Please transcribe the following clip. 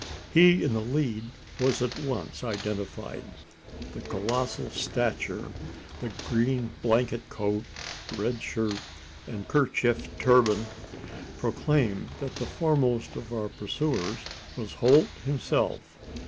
He in the lead was at once identified. The colossal stature, the green blanket coat, red shirt, and kerchief turban, proclaimed that the foremost of our pursuers was Holt himself.